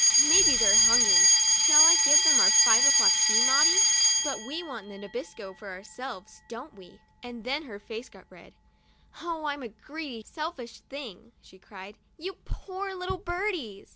"Maybe they're hungry. Shall I give them our five o'clock tea, Maudie ? But we want the Nabisco for ourselves, don't we ?" And then her face got red. " Oh, I'm a greedy, selfish thing!" she cried. " You poor little birdies